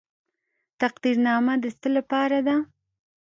تقدیرنامه د څه لپاره ده؟